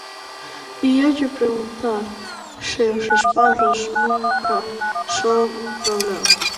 Íalle preguntar se os espazos nunca son un problema.